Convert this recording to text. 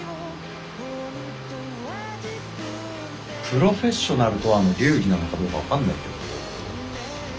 プロフェッショナルとはの流儀なのかもよく分かんないけど。